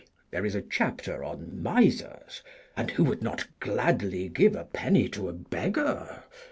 There is a chapter on Misers, and who would not gladly give a penny to a beggar?